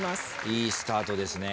いいスタートですね。